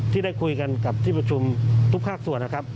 ที่ได้คุยกันกับที่ประชุมทุกภาคส่วนนะครับ